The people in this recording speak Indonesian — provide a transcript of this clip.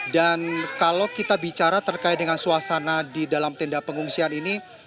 dan kalau kita bicara terkait dengan suasana di dalam tenda pengungsian ini